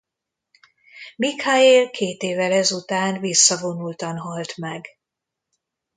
Mikhaél két évvel ezután visszavonultan halt meg.